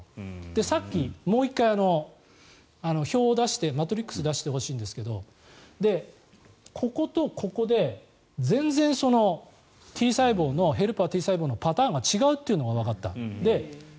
さっきの、もう一回表を出して、マトリックスを出してほしいんですがこことここで全然、Ｔ細胞のヘルパーＴ細胞のパターンが違うっていうのがわかった。